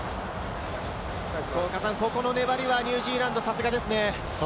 ここの粘りはニュージーランド、さすがですね。